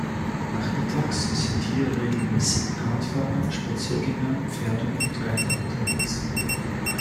Nachmittags sind hier regelmäßig Radfahrer, Spaziergänger, Pferde und Reiter unterwegs.